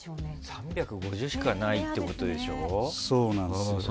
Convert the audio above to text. ３５０しかないってことでしょ。